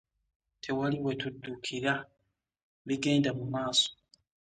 Tewali bwetuddukira bigenda mu maaso.